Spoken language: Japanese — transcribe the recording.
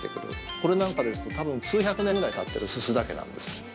これなんかですと、多分数百年ぐらいたってるすす竹なんです。